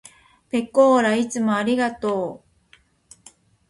ぺこーらいつもありがとう。